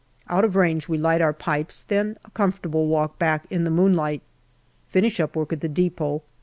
Out of range we light our pipes, then a comfortable walk back in the moonlight. Finish up work at the depot.